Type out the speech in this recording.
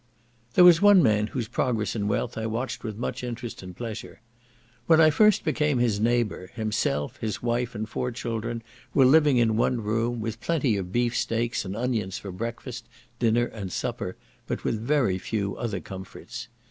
There was one man whose progress in wealth I watched with much interest and pleasure. When I first became his neighbour, himself, his wife, and four children, were living in one room, with plenty of beef steaks and onions for breakfast, dinner and supper, but with very few other comforts.